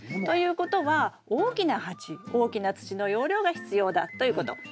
ということは大きな鉢大きな土の容量が必要だということ。